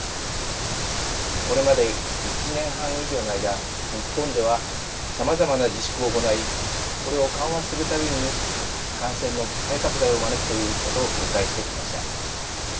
これまで１年半以上の間日本ではさまざまな自粛を行いこれを緩和するたびに感染の再拡大を招くということを繰り返してきました。